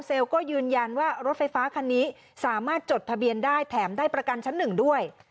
ก็ยืนยันว่ารถไฟฟ้าคันนี้สามารถจดทะเบียนได้แถมได้ประกันชั้นหนึ่งด้วย